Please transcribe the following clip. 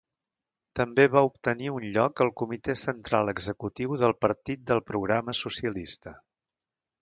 També va obtenir un lloc al Comitè Central Executiu del Partit del Programa Socialista.